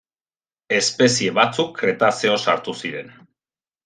Espezie batzuk Kretazeo sartu ziren.